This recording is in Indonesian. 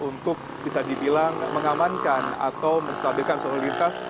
untuk bisa dibilang mengamankan atau menstabilkan selalu lintas